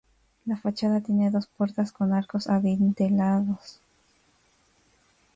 La fachada tiene dos puertas con arcos adintelados.